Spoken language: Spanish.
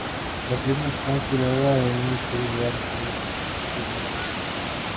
La película está inspirada en una historia real, sobre una chica llamada Jessie.